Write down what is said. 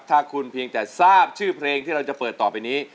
ถ้าคุณเพียงแต่ทราบชื่อเพลงที่เราจะเปิดต่อไปนี้